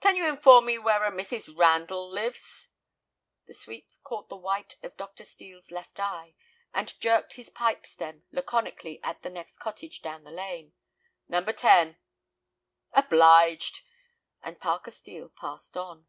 "Can you inform me where a Mrs. Randle lives?" The sweep caught the white of Dr. Steel's left eye, and jerked his pipe stem laconically at the next cottage down the lane. "No. 10." "Obliged," and Parker Steel passed on.